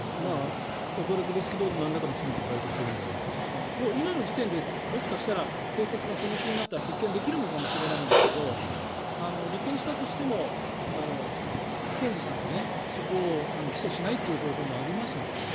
恐らくですがなんらかの罪には該当するんだろうと今の時点で、もしかしたら警察がその気になったら立件できるのかもしれないんですが立件したとしても検事さんが、そこを起訴しないという方法もありますのでね。